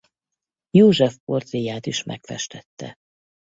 József portréját is megfestette.